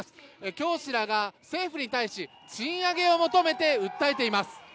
教師らが政府に対し賃上げを求めて訴えています。